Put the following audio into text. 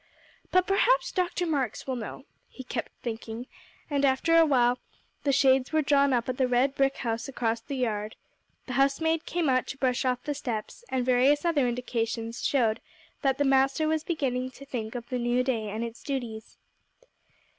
"But perhaps Dr. Marks will know," he kept thinking; and after a while the shades were drawn up at the red brick house across the yard, the housemaid came out to brush off the steps, and various other indications showed that the master was beginning to think of the new day and its duties.